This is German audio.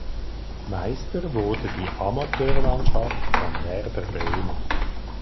Meister wurde die Amateurmannschaft von Werder Bremen.